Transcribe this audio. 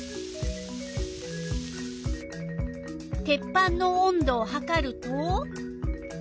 鉄板の温度をはかると？